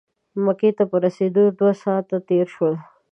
مکې ته په رسېدو کې دوه ساعته تېر شول.